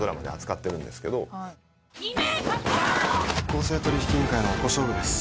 公正取引委員会の小勝負です。